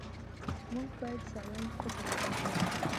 موږ باید سالم فکر ولرو.